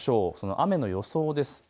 雨の予想です。